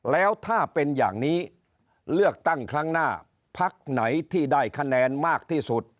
แล้วถ้าเป็นอย่างนี้เลือกตั้งครั้งหน้าพักไหนที่ได้คะแนนมากที่สุด